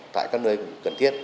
tại các nơi cần thiết